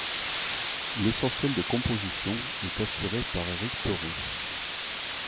L'essentiel des compositions est assuré par Eric Peron.